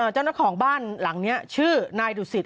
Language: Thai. เจ้าของบ้านหลังนี้ชื่อนายดุสิต